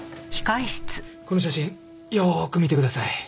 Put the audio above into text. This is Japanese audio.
この写真よく見てください。